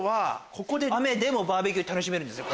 ここで雨でもバーベキュー楽しめるんですよ。